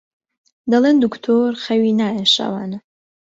دەڵێن دوکتۆر خەوی نایە شەوانە